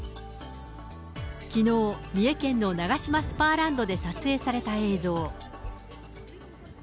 きのう、三重県のナガシマスパーランドで撮影された映像。